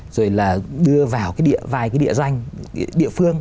rồi là đưa vào cái vài cái địa danh địa phương